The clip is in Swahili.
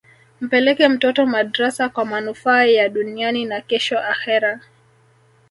mpeleke mtoto madrasa kwa manufaa ya duniani na kesho akhera